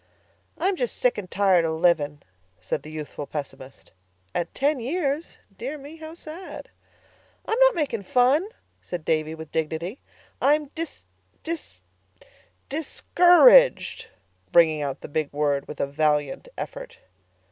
"I'm just sick and tired of living," said the youthful pessimist. "At ten years? Dear me, how sad!" "I'm not making fun," said Davy with dignity. "I'm dis—dis—discouraged"—bringing out the big word with a valiant effort.